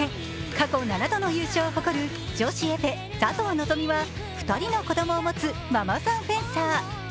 過去７度の優勝を誇る女子エペ・佐藤希望は２人の子供を持つママさんフェンサー。